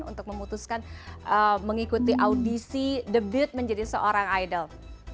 untuk memutuskan mengikuti audisi debut menjadi seorang idol